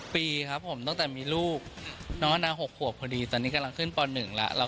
ปีครับผมตั้งแต่มีลูกน้องอนาคต๖ขวบพอดีตอนนี้กำลังขึ้นป๑แล้ว